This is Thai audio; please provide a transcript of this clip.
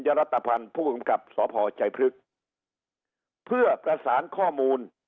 รัฐพันธ์ผู้กำกับสพชัยพฤกษ์เพื่อประสานข้อมูล